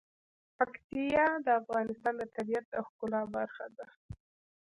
پکتیا د افغانستان د طبیعت د ښکلا برخه ده.